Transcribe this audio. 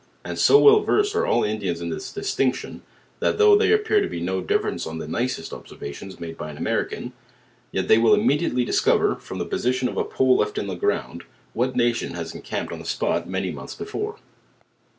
And *o well versed are all the Indians in this distinction, that though there ap pears to be no difference on the nicest observations made by an American, yet they will immediately discover, from the position of a pole left in the ground, what nation has en camped on the spot many months before.